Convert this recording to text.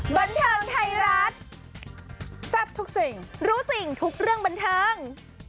บันเทิงไทยรัฐแซ่บทุกสิ่งรู้จริงทุกเรื่องบันเทิง